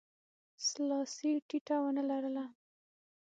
سلاسي ټیټه ونه لرله.